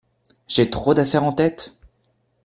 J'ai trop d'affaires en tête!